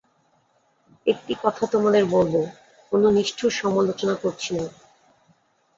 একটি কথা তোমাদের বলব, কোন নিষ্ঠুর সমালোচনা করছি না।